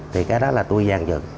thì cái đó là tôi giàn dựng